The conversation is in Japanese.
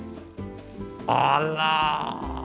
あら！